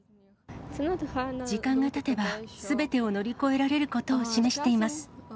時間がたてば、すべてを乗り越えられることを示しています。